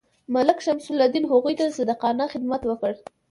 ملک شمس الدین هغوی ته صادقانه خدمت وکړ.